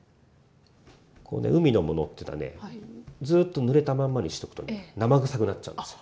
海のものっていうのはねずっと濡れたまんまにしとくとね生臭くなっちゃうんですよ。